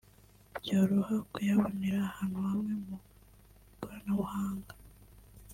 byoroha kuyabonera ahantu hamwe mu ikoranabuhanga